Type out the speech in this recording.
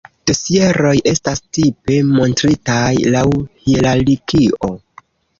Dosieroj estas tipe montritaj laŭ hierarkio.